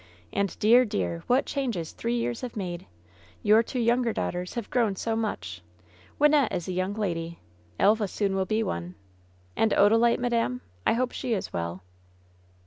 "And dear, dear, what changes three years have made ! Your two younger daughters have grown so much ! Wynnette is a young lady. Elva soon will be one. And Odalite, madam ? I hope she is well."